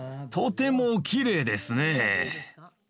とてもきれいですね。